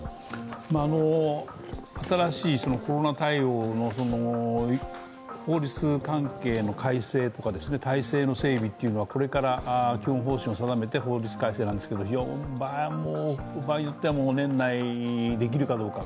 新しいコロナ対応の法律関係の改正とか体制の整備はこれから基本方針を定めて法律改正なんですが場合によっては年内、できるかどうか。